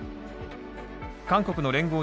韓国の聯合